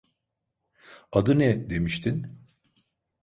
Adı ne demiştin?